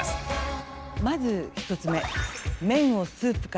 まず１つ目。